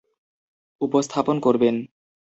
উপস্থাপন করবেন।